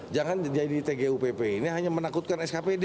jangan jadi tgupp ini hanya menakutkan skpd